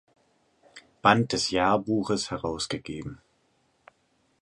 Band des Jahrbuches herausgegeben.